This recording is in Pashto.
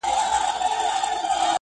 خوني ژرنده مو د ژوند ګرځي ملګرو